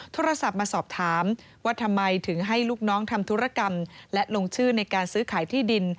โทรศัพท์มาสอบถามว่าทำไมถึงให้ลูกน้องทำธุรกรรมและลงชื่อในการซื้อขายที่ดิน